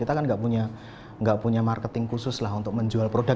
kita kan nggak punya marketing khusus lah untuk menjual produk